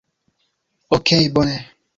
Okej' bone